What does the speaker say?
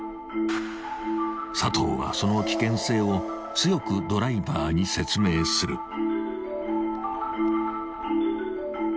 ［佐藤はその危険性を強くドライバーに説明する］